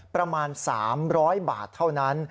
ประมาณ๓๐๐บาทเท่านั้น